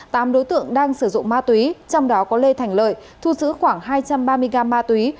tám đối tượng đang sử dụng ma túy trong đó có lê thành lợi thu giữ khoảng hai trăm ba mươi gram ma túy